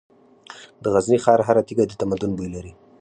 د غزني ښار هره تیږه د تمدن بوی لري.